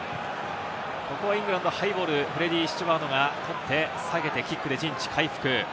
ここはイングランド、ハイボールをフレディー・スチュワードが取って、下げて、キックで陣地回復。